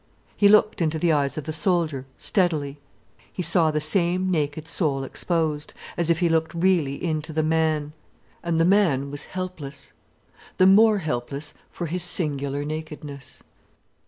He looked into the eyes of the soldier, steadily. He saw the same naked soul exposed, as if he looked really into the man. And the man was helpless, the more helpless for his singular nakedness.